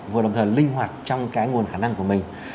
vừa đồng thời linh hoạt trong cái nguồn khả năng của mình